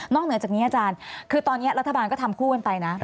เหนือจากนี้อาจารย์คือตอนนี้รัฐบาลก็ทำคู่กันไปนะ